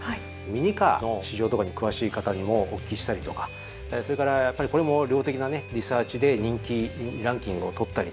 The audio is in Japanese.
ミニカーの市場とかに詳しい方にもお聞きしたりとかそれからやっぱりこれも量的なリサーチで人気ランキングを取ったりとか。